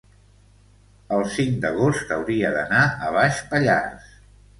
el cinc d'agost hauria d'anar a Baix Pallars.